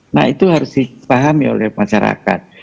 nah itu harus dipahami oleh masyarakat